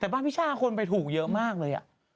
แต่บ้านพี่ช่าคนไปถูกเยอะมากเลย